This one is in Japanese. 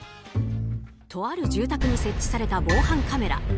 とある住宅に設置された防犯カメラ。